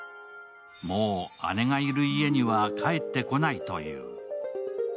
もう姉がいる家には帰ってこないという。